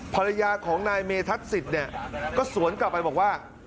ภรรยาของนายเมทัศน์ศิษย์เนี่ยก็สวนกลับไปบอกว่า